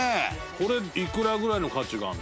これ、いくらぐらいの価値があるの？